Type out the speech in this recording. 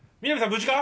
無事か？